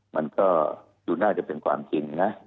มันก็อยู่หน้าจะเป็นความจริง